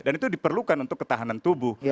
dan itu diperlukan untuk ketahanan tubuh